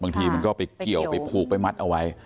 บางทีมันก็ไปเกี่ยวไปผูกไปมัดเอาไว้